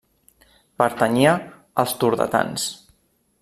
Pertanyia als turdetans.